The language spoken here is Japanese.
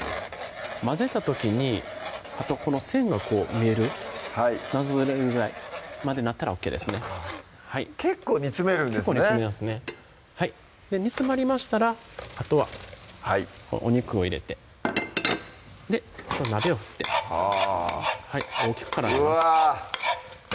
混ぜた時にあとこの線がこう見えるなぞれるぐらいまでなったらＯＫですね結構煮詰めるんですね結構煮詰めますね煮詰まりましたらあとはお肉を入れてあとは鍋を振ってはぁ大きく絡めますうわぁ！